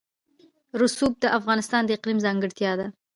رسوب د افغانستان د اقلیم ځانګړتیا ده.